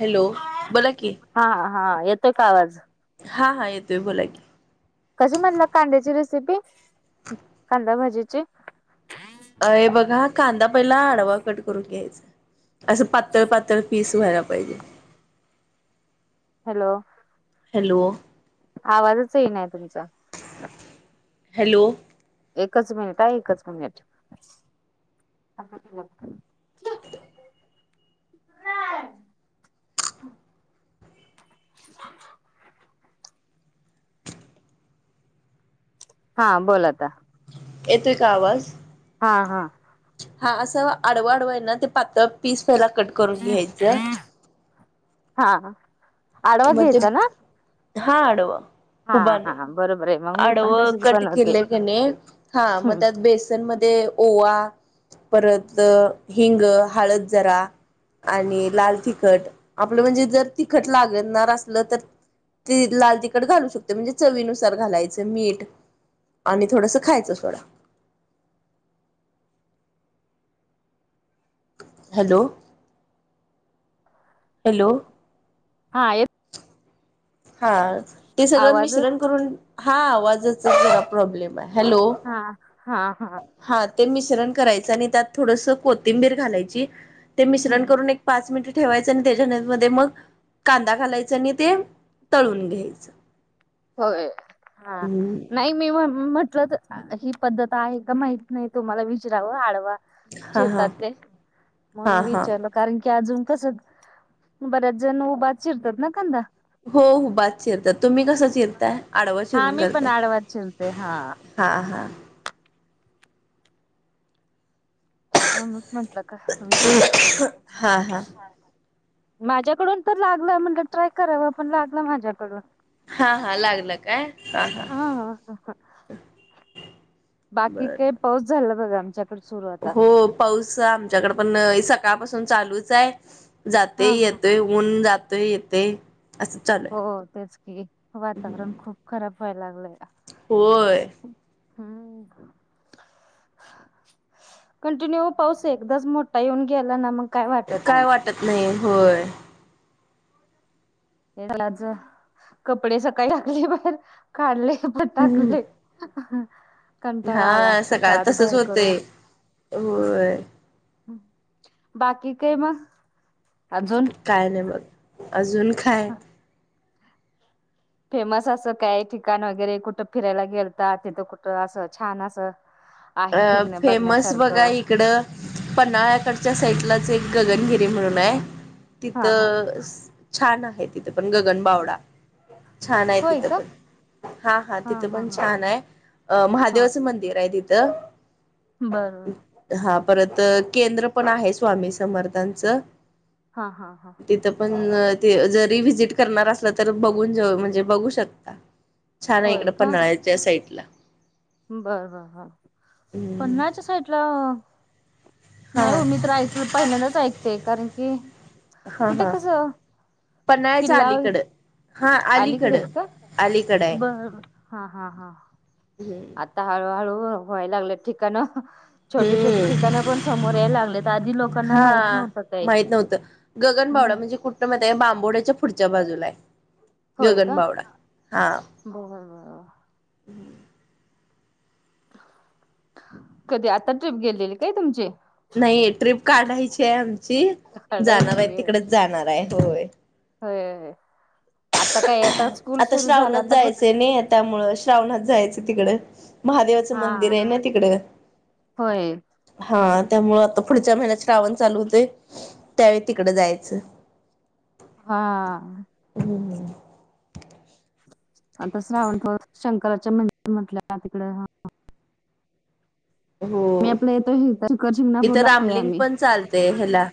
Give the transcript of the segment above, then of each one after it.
Hello बोला की, हा हा येतोय का आवाज हा हा येतोय बोला कि.. कशी म्हणला कांद्याची रेसिपी कांदा् भाजीची अ बघा कांदा पहिला आडवा कट करून घ्यायचा. असं पातळ पातळ पीस व्हायला पाहिजे. हॅलो, हॅलो, आवाजच येइना तुमचा हॅलो, एकच मिनिट अ एकच मिनिट हां बोल आता. येतोय का आवाज? हा हा हा असं आडवा अडवा आहे ना ते पातळ पीस पहिला कट करून घ्यायचं. हा हा. मग ते हा आडवा. हा उभा नाही हा बरोबर आहे मग मी आडव पण तशीच कट बनवते केले कने हा मग हम्म त्यात बेस म ओवा परत हिंग, हळद जरा आणि लाल तिखट आपलं म्हणजे जर तिखट लाग तर लाल तिकट घालू शकत. ते म्हणजे चवीनुसार घालायचं मीठ आणि थोडस खायचं सोडा. Hello hello. हा येत हा ते सगळं आवाज मिश्रण करून हा आवाजाच जरा प्रॉब्लेम आहे हॅलो हा हा हा. हा ते मिश्रण करायचं आणि त्यात थोडस कोथिंबीर घालायची ते मिश्रण हम्म करून एक पाच मिनिटं ठेवायचं आणि त्याच्यान मध्ये मग कांदा घालायचा आणि ते तळून घ्यायचं. होय हा हम्म नाही. मी म्हटलं ही पद्धत आहे का माहित नाही तुम्हाला विचरावं आडवा हा हा चिरतात ते हा म्हणून हा विचारला. कारण की अजून कसं बऱ्याच जण उभा चिरतात ना कंदा हो हो उभा च चिरता तुम्ही कसा चिरताय आडावा हा चिरून मी पण करताय. आडवाच झुलते हा हां हां. म्हणूनच म्हंटलं का हा हा [unintelligible] माझ्याकडून तर लागलं म्हणलं, ट्राय कराव पण लागलं माझ्याकडून. हा.. हा, लागला काय हा.. हा.. हं.. बाकी बर काही बर पाऊस झाला, बघा आमच्यात हो, पाऊस आमच्याकडे पण सकाळपासून चालूच आहे. जाते हा हा येतोय ऊन, जातोय येते असं. चालू हो आहे तेच की, वातावरण खूप खराब व्हायला लागलंया. होय. हम्म. कंटिन्यू पाऊस एकदाच मोठा येऊन गेला, ना मग काय वाटत नाही. [unintelligible] नाही होय. हे झालच कपडे सकाळी टाकले, बाहेर काढले परत टाकले. [unintelligible] कंटाळा आला हा अक्षरशः सकाळ आत तसच बाहेर करून. होतय होय बाकी काय मग, अजून काय नाही बघ, अजून काय फेमस असं काय ठिकाण वगैरे, कुठं फिरायला गेलता. तिथं कुठं असं छान असं. अ.. आहे फिरणं फेमस बघा बघण्यासारखं इकडं, पन्हाळ्याकडच्या साईडलाच एक गगनगिरी म्हणून आहे. हा हा तिथं छान आहे, तिथं पण गगनबावडा. छान आहे होय तिथं का पण, हा हा तिथं पण छान आहे अ- हा महादेवाचं मंदिर. पीर ये तीत. बरं. हा परत केंद्र पण आहे. स्वामी समर्थांचं हा. हा. हा. तिथं पण जरी व्हिजिट करणार असला, तरी बघून जाऊ म्हणजे बघू शकता. छान आहे होय इकडं, पन्हाळ्याच्या साईड ला. बरं बर हम्म पन्हाळ्याच्या साईडला. हा नाही ओ मी तर ऐकलं पहिल्यांदाच ऐकते, कारण की हा तिथं हा कसं. पन्हाळ्याच्या किल्ला आलीकडं. हा, अलीकडे अलीकड आहे का? अलीकड आहे बर हा हा हा हम. आता हळूहळू व्हाय लागले ठिकाणं. छोटे छोटे हम्म ठिकाण पण समोर यायला लागले, तर आधी लोकांना माहित हा नव्हतं काही. माहित नव्हतं गगनबावडा हम्म म्हणजे कुठं माहितेय, बांबोड्याच्या पुढच्या बाजूला आहे. होय का, गगनबावडा हा बर बर. कधी आता ट्रिप गेलेली, काय तुमची. नाही ट्रीप काढायची आहे आमची, जाणार आहे काढायची होय तिकडेच जाणार आहे होय. होय. आता काय आता स्कूल आता सुरू झाला श्रावणात आता कुठं. जायचंय नाही त्यामुळं श्रावणात जायचं तिकडं. महादेवाचं हा मंदिर आहे ना तिकडं. होय हां.. त्यामुळं आता पुढच्या महिन्यात श्रावण चालू होतंय त्यावेळी तिकडे जायचं. हा. हम् हम. आता श्रावण शंकराचे मंदिर म्हटल्या तिकडं. हो, मी आपलं येतो शिखर इथं शिंगणापूरला असतोय रामलिंग आम्ही पण चालतेय हेला.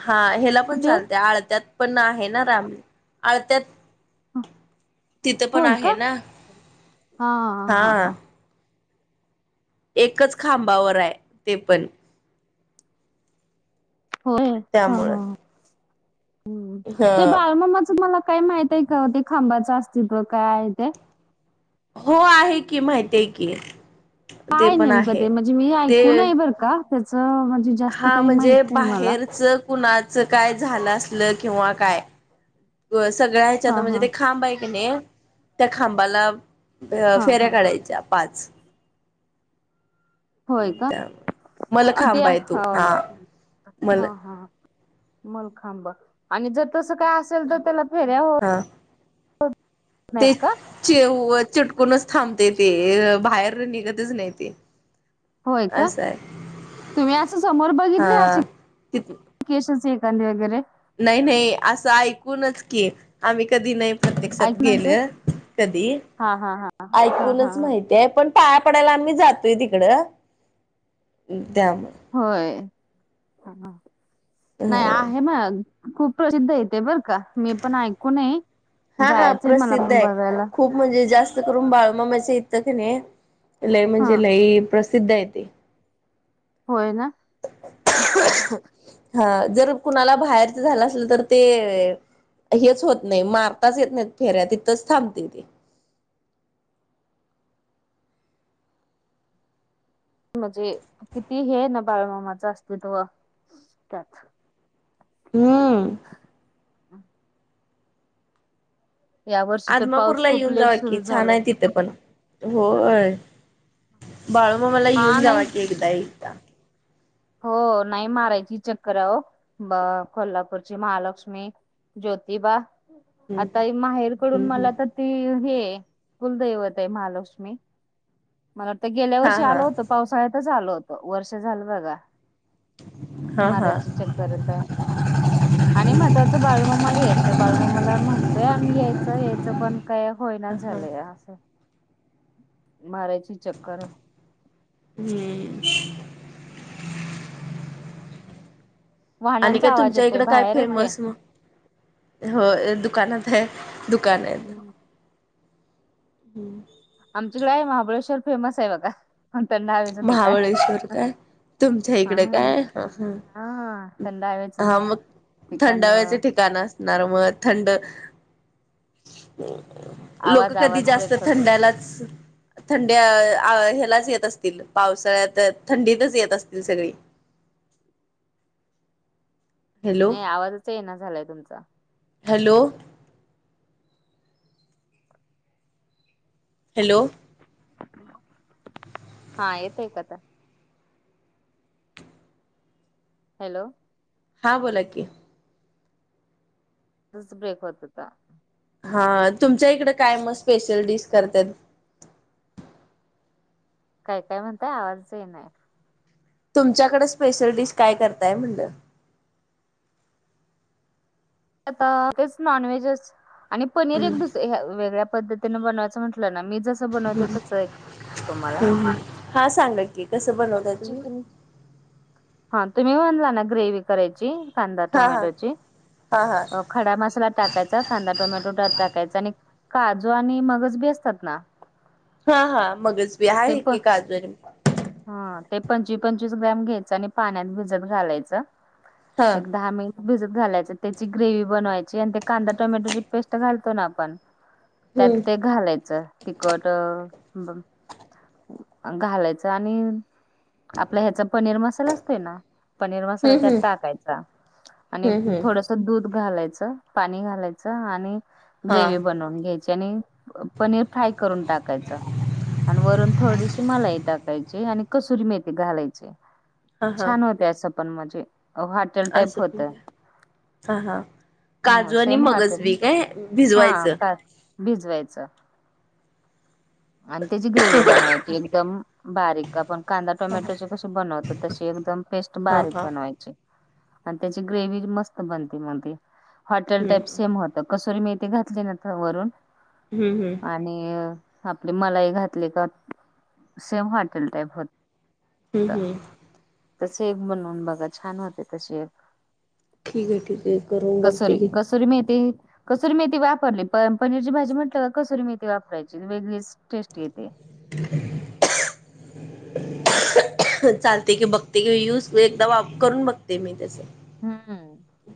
हा ह्याला पण कुठे चालतंय, आळत्यात पण आहे ना रामली आळत्यात. तिथं पण हो आहे का ना, हा.. एकच खांबावर आहे. ते पण, होय. ह.. त्यामुळं ह.. ह ते बालमामाच मला काय माहीत आहे का ते खांबाचं अस्तित् काय आहे ते हो आहे की माहिती आहे की ते काय पण नेमकं आहे ते म्हणजे मी ते ऐकूनय बरं का त्याचं म्हणजे जास्त हा काही माहित म्हणजे नाही मला. बाहेरच कुणाचं काय झालं असल किंवा काय सगळ्या ह्याच्याता हा म्हणजे हा ते खांब आहे काी नाही त्या खांबाला हा फेऱ्या हा काढायच्या पाच होय का त्या मला खांब त्या आहे तो हा मला हा हा मल खांबा आणि जर तसं काय असेल तर त्याला फेऱ्या व हा तेच का? चे उ चिटकूनच थांबते ते बाहेर निघतच नाही ते होय का असं आहे तुम्ही असं समोर बघितलं हा शिक केशचे कधे वगैरे नय नय असं ऐकूनच की आम्ही कधी नाही प्रत्यक्षात ऐकण्याच गेलं कधी हा हा हा हा हा ऐकूनच हा माहिती ते पण पाया पडायला आम्ही जातोय तिकडं त्यामुळे होय नाही ह आहे खूप प्रसिद्ध येते बर का मी पण ऐकूूनय हा हा जायचंय मला प्रसिद्ध पण बघायला आहे खूप म्हणजे जास्त करून बाळमाम्याच इथं की नाही लय हा म्हणजे लई प्रसिद्ध आहे ते होय ना अखो हा जर कुणाला बाहेरच झालं असल तर ते हेच होत नाही मारताच येत नाहीत फेऱ्या तिथंच थांबते ते म्हणजे किती हे ना बाळमामाचं अस्तित्व त्यात हम्म या वर्षी तर पाऊस आदमापूरला खूप येऊन लेट जाव की सुरू छान झालाय आहे तिथे पण होय बाळूमामा ला हा गेऊन जावा नाही की एकदा एकदा हो नाही मारायची चक्कर आहे हो ब कोल्हापूरची महालक्ष्मी ज्योतिबा हम्म आता माहेरकडून हम्म मला तर ती हे कुलदैवत आहे महालक्ष्मी मला वाटतं गेल्या हा वर्षी आल हा होत पावसाळ्यातच आलो होत वर्ष झालं बघा हा हा मारायची चक्कर येता आणि महत्त्वाचं बाळूमामाला यायचंय बाळूमामाला म्हणतोय आम्ही यायचं यायचं पण काय होयना झाले मार्याची चक्कर हम्म आणि वाहनांचा काय आवाज तुमच्या येतोय इकडं काय बाहेर आहे फेमस मग हो दुकानात आहे दुकान आहे हम हम्म आमच्याकडे आहे महाबळेश्वर फेमस आहे बघा पणंत नावेचं ठिकाण महाबळेश्वर काय तुमच्या इकडे हम्म काय ह ह हा थंड हवेच हा मग ठिकाण थंडाव्याचे ठिकाण असणार मग थंड लोक आवाज कधी आवाज जास्त ब्रेक होतोय थंडालाच थंडी ह्यालाच येत असतील पावसाळ्यात थंडीतच येत असतील सगळी हॅलो नाही आवाजच चैज ना झालाय तुमचा हॅलो हॅलो हा येतय काता हॅलो हां बोला की तच ब्रेक होत होता हा तुमच्या इकड काय मग स्पेशल डिश करतात काय काय म्हणताय आवाज च नाही तुमच्याकड स्पेशल डिश काय करताय म्हणलं आता तेच नॉन वेजच आणि पनीर एक दुस ह्या वेगळ्या पद्धतीनें बनवायचं म्हटलं ना मी जस हा सांगत की कस कांदा बनवताय टोमॅटोची तुम्ही [inaudible] हा तुम्ही म्हनला ना ग्रेवी करायची कांदा हा हा टोमॅटोची हा हा खडा मसाला टाकायचा कांदा टोमॅटो त्यात टाकायचा आणि काजू आणि मगज बी असतात ना हा हा मगच बी ते आहे पण की काजू आणि हा ते पंचवीस पंचवीस ग्रॅम घ्यायच आणि पाण्यात भिजत घालायचं हा एक दहा मिनि भिजत घालायच त्याची ग्रेवी बनवायची आणि ते कांदा टोमॅटोची पेस्ट घालतो ना आपण त्यात हम्म ते घालायचं तिखट अ घालायचं आणि आपला ह्याचा पनीर मसाला असतोय ना पनीर मसाला हम्म त्यात हम्म टाकायचा आणि हम्म हम्म थोड त दूध घालायचं पाणी घालायचं आणि हा ग्रेवी बनवून घ्याय आणि पनीर फ्राय करून टाकायच आणि वरून थोडीशी मलाई टाक कायची आणि कसुरी मेथी घालायची हा हा छान होते असं पण मजे अ हॉटेल टाईप असं पण होतंय. हा हा हं काजू आणि सेम मगज हॉटेल बी काय हा भिजवायचं का भिजवायचं. आणि त्याची ग्रेवी बनवायची एकदम बारीक आपण कांदा हा टोमॅटोची कशी बनवतो तशी एकदम पेस्ट बारीक हा बनवायची. आणि त्याची ग्रेवी मस्त बनते मंग ती हॉटेल हम्म टाईप सेम होत कसुरी मेथी घातली ना त वरून हूं हूं आणि अ आपली मलाई घातली का सेम हॉटेल टाईप होत हूं हूं तशी एक बनवून बघा छान होते तशी एक ठीकये ठीकये करून बघते की सूरी मेथी कसुरी मेथी वापरली प पनीरची भाजी म्हटलं का कसुरी मेथी वापरायची वेगळीच टेस्टी येते. [unintelligible] चालते की बघते की यूज एकदा वा करून बघते मी तस हम्म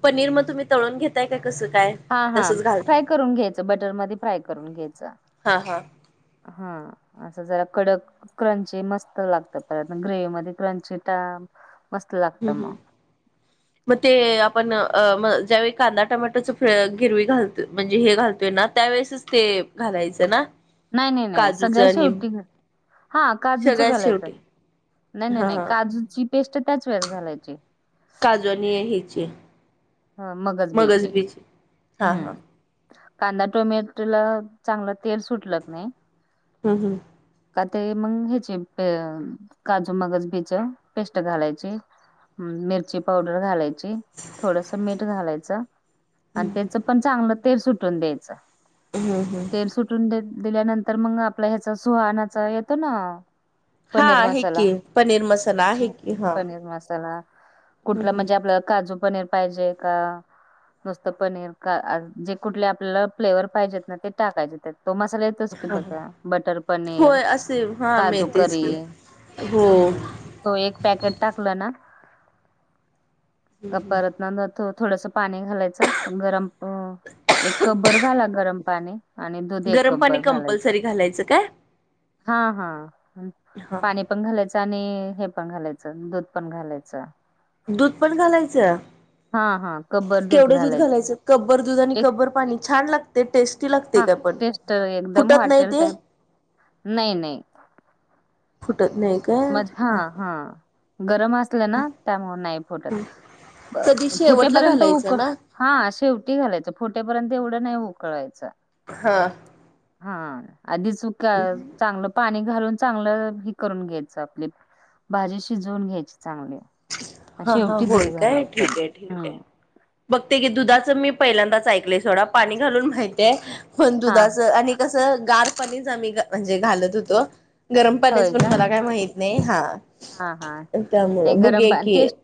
पनीर म तुम्ही तळून घेताय काय का कसं काय? हा हा तसच घालत फ्राय करून घ्यायचं बटर मध्ये फ्राय करून घ्यायचं. हा हा हा असं जरा कडक क्रंची मस्त लागत परत ग्रेवी मध्ये क्रंची टामं हूं हूं म ते आपण अ म ज्यावेळी कांदा टोमॅटोच फ गिरवी घालतो म्हणजे हे घालतोय ना त्यावेळेसच ते घालायचं ना नाय नाय नाय काजूचं सगळ्या आणि शेवटी घ हा काजूच सगळ्यात घालायचं शेवटी नाय नाय हा नाहय हा काजूची पेस्ट त्याच वेळेस घालायची. काजू आणि हेचि ह मगज बी ची हा हा हम्म कांदा टोमॅटोला चांगलं तेल सुटल कनय हूं हूं का ते मंग ह्याचे काजू मगज बी चां पेस्ट घालायची. हम्म मिरची पावडर घालायची थोडस मीठ घालायचं. अन त्याच पण चांगलं तेल सुटून द्यायचं. ह ह. तेल सुटून दि- दिल्यानंतर मग आपला, ह्याचा सुहानाचा येतो ना हा पनीर आहे मसाला की पनीर मसाला आहे की हा पनीर मसाला कुठलं म्हणजे आपल्याला, काजू पनीर पाहिजेय का? नुसतं पनीर का जे कुठले आपल्याला फ्लेवर पाहिजेत, ना ते टाकायचे तो मसाले [unintelligible] बघा बटर पनीर, होय असे हा काजू मिळतेच करी की हो. हम्म तो एक पॅकेट टाकलं ना [unintelligible] थो -थोडस पाणी घालायचं, गरम अ एक कप भर घाला, गरम पाणी. आणि दुध एक गरम कप पाणी बरं घालायचं, कंपल्सरी घालायचं काय हा हा हा पाणी पण घालायचं आणि हे पण घालायचं दूध पण घालायचं. दूध पण घालायचं? हा हा कब्बर केवढं दूध घालायचं, कप बरं दूध आणि एक कप बर पाणी छान लागते टेस्ट लागते, हा का पण टेस्ट एकदम फुटत नाही हॉटेल ते? टाईप नाही नाही. फुटत नाही काय मज हा हा गरम असलं, ना त्यामुळे नाही फुटत. ब कधी ब शेवटला फुटेपर्यंत उक घालायचं ना हा शेवटी घालायचं फुटे पर्यंत एवढं, नाही उकळवायचं. हा. हा आधी सुक अ चांगलं पाणी घालून चांगलं करून घ्यायच आपली, भाजी शिजवून घ्यायची चांगली. आणि हा हा शेवटी होय, दूध काय? घालायचं. ठीक ये ठीक ये. हम्म बघते, की दुधाचं मी पहिल्यांदाच ऐकलंय सोडा पाणी घालून माहितीय, पण हा दुधाचं आणि कसं गार पाणीच आम्ही म्हणजे घालत होतो, गरम पाणीच पण मला काय माहित. नाही हा. हा हा आणि त्यामुळं गरम बघूया पा की तेच